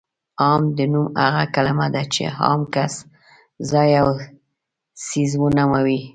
عام نوم هغه کلمه ده چې عام کس، ځای او څیز ونوموي.